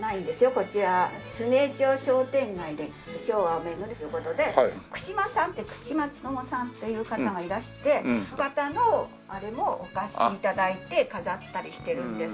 こちら住江町商店街で昭和を巡るという事で串間さんって串間努さんっていう方がいらしてその方のあれをお貸し頂いて飾ったりしてるんです。